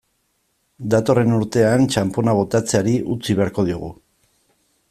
Datorren urtean, txanpona botatzeari utzi beharko diogu.